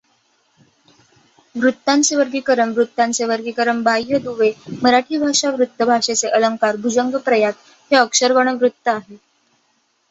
वृत्तांचे वर्गीकरण वृत्तांचे वर्गीकरण बाह्य दुवे मराठी भाषा वृत्त भाषेचे अलंकारभुजंगप्रयात हे अक्षरगणवृत्त आहे.